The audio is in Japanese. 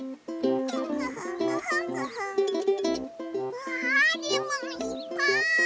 うわレモンいっぱい！